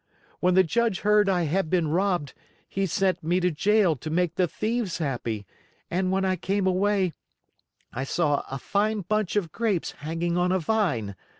When the Judge heard I had been robbed, he sent me to jail to make the thieves happy; and when I came away I saw a fine bunch of grapes hanging on a vine.